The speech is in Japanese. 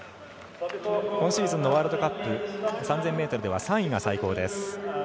今シーズンのワールドカップ、３０００ｍでは３位が最高です。